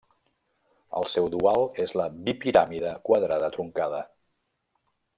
El seu dual és la bipiràmide quadrada truncada.